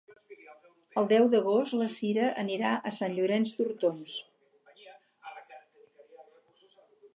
El deu d'agost na Cira anirà a Sant Llorenç d'Hortons.